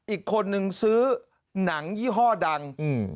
อีกคนนึงซื้อหนังยี่ห้อดัง